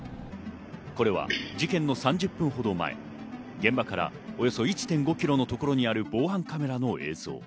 これは事件の３０分ほど前、現場からおよそ１．５ｋｍのところにある防犯カメラの映像。